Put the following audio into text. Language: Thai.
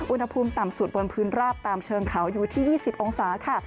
อุณหภูมิต่ำสุดบนพื้นราบตามเชิงเขาอยู่ที่๒๐องศาค่ะ